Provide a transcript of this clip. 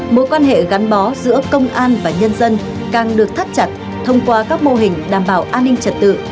mối quan hệ gắn bó giữa công an và nhân dân càng được thắt chặt thông qua các mô hình đảm bảo an ninh trật tự